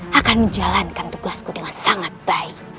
dan akan menjalankan tugasku dengan sangat baik